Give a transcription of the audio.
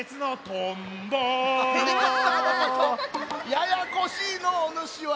ややこしいのうおぬしは！